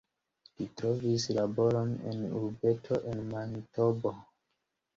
Li trovis laboron en urbeto en Manitobo.